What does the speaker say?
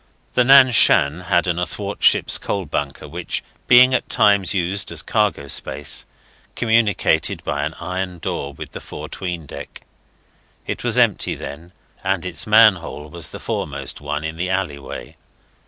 The Nan Shan had an athwartship coal bunker, which, being at times used as cargo space, communicated by an iron door with the fore 'tween deck. It was empty then, and its manhole was the foremost one in the alleyway.